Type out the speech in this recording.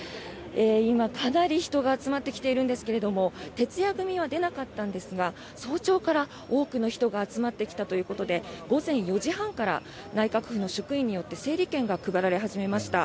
今、かなり人が集まってきているんですが徹夜組は出なかったんですが早朝から多くの人が集まってきたということで午前４時半から内閣府の職員によって整理券が配られ始めました。